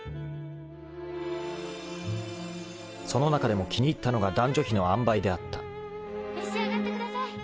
［その中でも気に入ったのが男女比の案配であった］・召し上がってください。